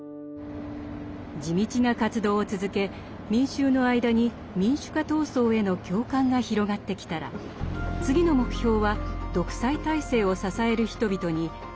地道な活動を続け民衆の間に民主化闘争への共感が広がってきたら次の目標は独裁体制を支える人々に働きかけることです。